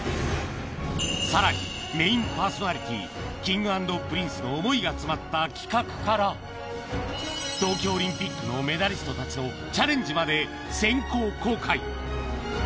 さらに、メインパーソナリティー、Ｋｉｎｇ＆Ｐｒｉｎｃｅの想いが詰まった企画から、東京オリンピックのメダリストたちのチャレンジまで、先行公開。